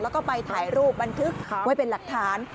แล้วก็ไปถ่ายรูปบันทึกไว้เป็นหลักฐาน